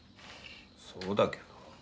そうだけど。